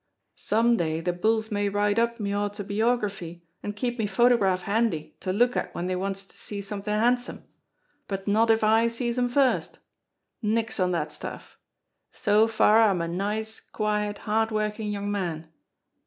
Some day de bulls may write up me auto 200 JIMMIE DALE AND THE PHANTOM CLUE beeography an' keep me photograph handy to look at w'en dey wants to see somethin' handsome but not if I sees 'em first! Nix on dat stuff! So far I'm a nice, quiet, hard working young man.